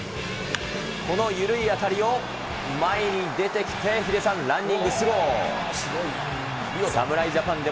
この緩い当たりを、前に出てきてヒデさん、ランニングスロー。